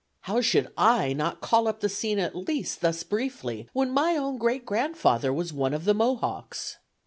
How should I not call up the scene at least thus briefly, when my own great grandfather was one of the Mohawks?